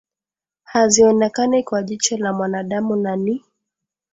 hazionekani kwa jicho la mwanadamu na ni